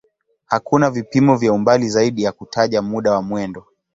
Hakuna vipimo vya umbali zaidi ya kutaja muda wa mwendo.